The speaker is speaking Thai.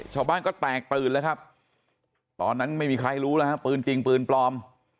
ชาวบ้านก็แตกตื่นแล้วครับตอนนั้นไม่มีใครรู้แล้วฮะปืนจริงปืนปลอม